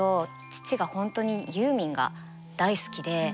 父が本当にユーミンが大好きで。